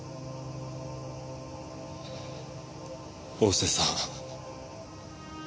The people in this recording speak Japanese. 大瀬さん。